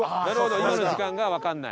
今の時間がわからない。